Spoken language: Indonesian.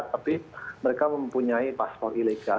tapi mereka mempunyai paspor ilegal